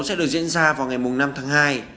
sẽ được diễn ra vào ngày năm tháng hai